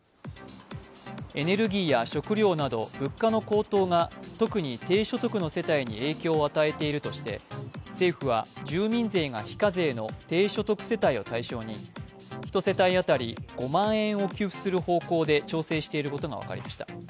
エネルギーや食料など物価の高騰が特に低所得の世帯に影響を与えているとして政府は住民税が非課税の低所得世帯を対象に１世帯当たり５万円を給付している方向で調整していることが分かりました。